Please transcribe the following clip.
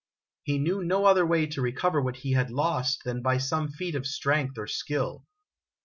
He knew no other way 1 64 IMAGINOTIONS to recover what he had lost than by some feat of strength or skill.